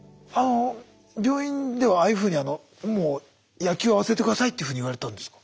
病院ではああいうふうに「もう野球は忘れて下さい」っていうふうに言われたんですか？